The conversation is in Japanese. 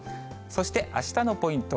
そして、あしたのポイント